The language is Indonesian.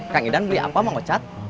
kang idan beli apa maucat